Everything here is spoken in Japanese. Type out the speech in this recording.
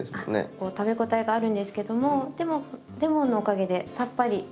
こう食べ応えがあるんですけどもでもレモンのおかげでさっぱりしていて。